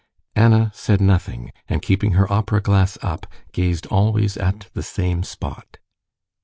Anna said nothing, and keeping her opera glass up, gazed always at the same spot.